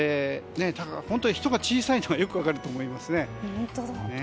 本当に人が小さいのがよく分かると思います。